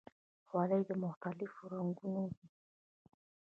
خولۍ د مختلفو رنګونو وي.